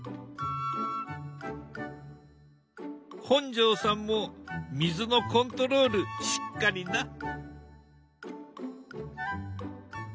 本上さんも水のコントロールしっかりな。